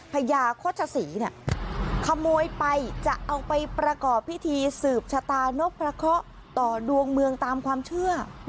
พญาโฆษศรีเนี่ยขโมยไปจะเอาไปประกอบพิธีสืบชะตานกพระเคาะต่อดวงเมืองตามความเชื่อ